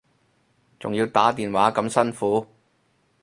仲要打電話咁辛苦